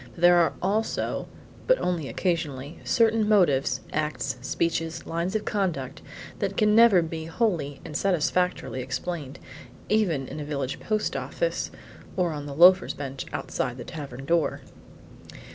There are also (but only occasionally) certain motives, acts, speeches, lines of conduct, that can never be wholly and satisfactorily explained, even in a village post office or on the loafers' bench outside the tavern door.